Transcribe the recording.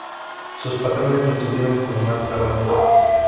Sus patrones lo tuvieron por mal trabajador.